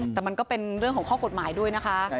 แต่มันก็เป็นเรื่องของข้อกฎหมายด้วยนะคะ